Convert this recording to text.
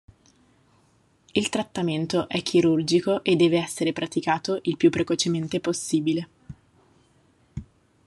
Il trattamento è chirurgico e deve essere praticato il più precocemente possibile.